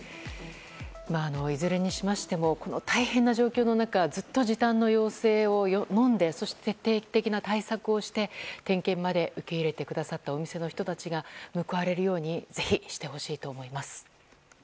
いずれにしてもこの大変な状況の中ずっと時短の要請をのんでそして、徹底的な対策をして点検まで受け入れてくださったお店の人たちが報われるようにしてほしいと思います。